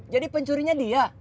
jadi pencurinya dia